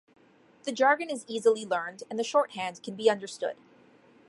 The jargon is easily learned and the shorthand can be understood.